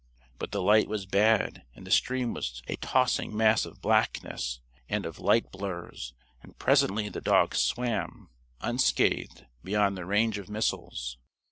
But the light was bad and the stream was a tossing mass of blackness and of light blurs, and presently the dog swam, unscathed, beyond the range of missiles.